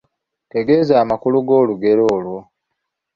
Tegeeza amakulu g'olugero olwo.